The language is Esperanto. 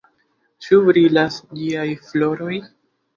Ĉu brilas ĝiaj floroj?